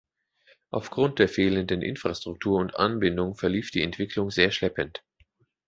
Aufgrund der fehlenden Infrastruktur und Anbindung verlief die Entwicklung sehr schleppend.